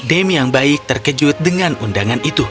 dame yang baik terkejut dengan undangan itu